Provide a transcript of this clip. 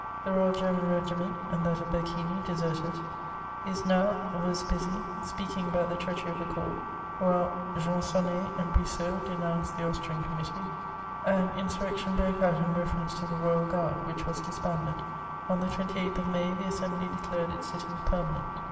The royal German regiment and that of Berchini deserted. Isnard was busy speaking about the treachery of the court, while Gensonn6 and Brissot denounced the Aus^an Committee. An insurrection broke out in reference to the royal guard, which was disbanded. On the 28th of May, the Assembly declared its sittings perma nent.